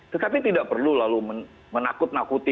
tetapi tidak perlu lalu menakut nakuti